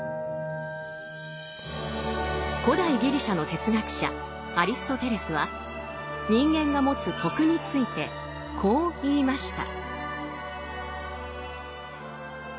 古代ギリシャの哲学者アリストテレスは人間が持つ「徳」についてこう言いました。